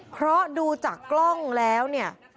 เพราะดูจากกล้องแล้วเนี่ย